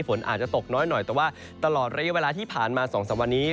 ฝนอาจจะตกน้อยหน่อยแต่ว่าตลอดระยะเวลาที่ผ่านมา๒๓วันนี้